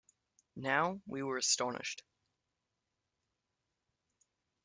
Now we were astonished.